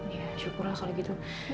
ya syukurlah soalnya gitu